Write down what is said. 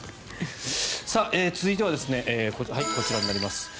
続いてはこちらになります。